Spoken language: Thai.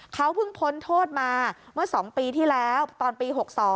เขาเพิ่งพ้นโทษมาเมื่อ๒ปีที่แล้วตอนปี๖๒